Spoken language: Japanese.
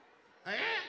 えっ？